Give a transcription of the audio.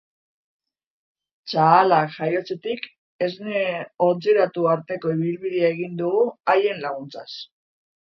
Txahalak jaiotzetik, esnea ontziratu arteko ibilbidea egin dugu haien laguntzaz.